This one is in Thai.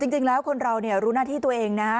จริงแล้วคนเรารู้หน้าที่ตัวเองนะฮะ